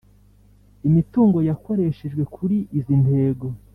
imitungo yakoreshejwe kuri izi ntego